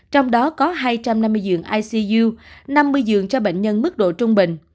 trong đó có hai trăm năm mươi giường icu năm mươi giường cho bệnh nhân mức độ trung bình